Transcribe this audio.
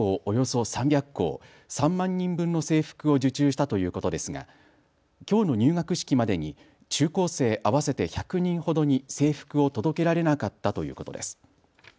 およそ３００校、３万人分の制服を受注したということですがきょうの入学式までに中高生合わせて１００人ほどに制服を届けられなかったということです。